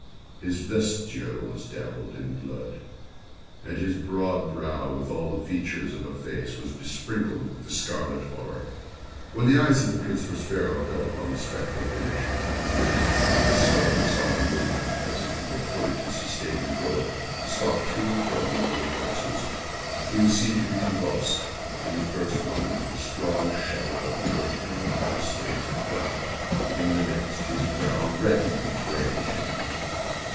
His vesture was dabbled in blood—and his broad brow, with all the features of the face, was besprinkled with the scarlet horror. When the eyes of Prince Prospero fell upon this spectral image (which with a slow and solemn movement, as if more fully to sustain its role, stalked to and fro among the waltzers) he was seen to be convulsed, in the first moment with a strong shudder either of terror or distaste; but, in the next, his brow reddened with rage.